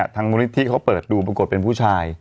มูลนิธิเขาเปิดดูปรากฏเป็นผู้ชาย